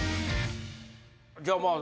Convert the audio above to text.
じゃあまあ